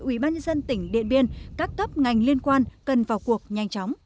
ubnd tỉnh điện biên các cấp ngành